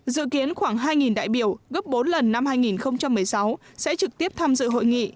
dự kiến khoảng hai đại biểu gấp bốn lần năm hai nghìn một mươi sáu sẽ trực tiếp tham dự hội nghị